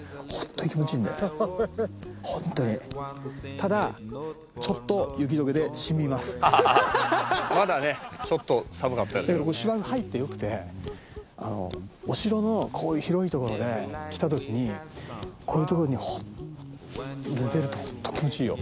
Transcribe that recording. ただ「まだねちょっと寒かった」だけどここ芝生入ってよくてお城のこういう広い所で来た時にこういう所に寝てるとホント気持ちいいよ。